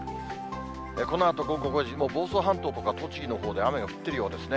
このあと午後５時、もう房総半島とか、栃木のほうで雨が降ってるようですね。